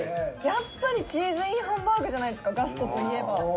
やっぱりチーズＩＮハンバーグじゃないですか「ガスト」といえば。